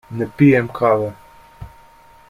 Ne pijem kave.